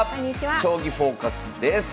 「将棋フォーカス」です。